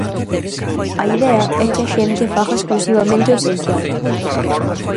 A idea é que a xente faga exclusivamente o esencial.